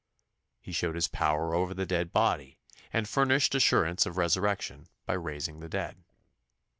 He showed His power over the dead body, and furnished assurance of resurrection, by raising the dead.